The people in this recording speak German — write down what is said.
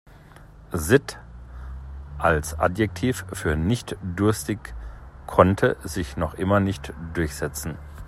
Sitt als Adjektiv für nicht-durstig konnte sich noch immer nicht durchsetzen.